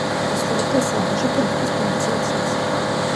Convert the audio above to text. ასრულებდა საბაჟო პუნქტის ფუნქციასაც.